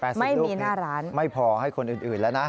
๘๐ลูกนี่ไม่พอให้คนอื่นแล้วนะ